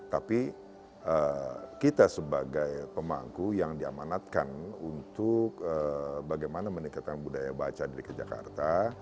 tapi kita sebagai pemangku yang diamanatkan untuk bagaimana meningkatkan budaya baca di jakarta